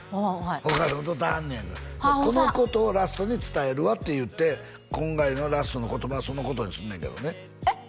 お母さん歌うてはんねやんかああホントだこのことをラストに伝えるわって言って今回のラストの言葉はそのことにすんねんけどねえっ？